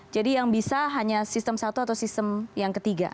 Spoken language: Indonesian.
jadi yang bisa hanya sistem satu atau sistem yang ketiga